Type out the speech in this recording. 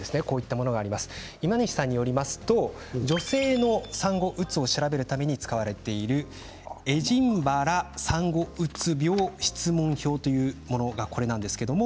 今西さんによりますと女性の産後うつを調べるために使われているエジンバラ産後うつ病質問票というものが、これです。